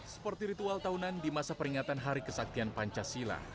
seperti ritual tahunan di masa peringatan hari kesaktian pancasila